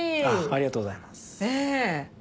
ありがとうございます。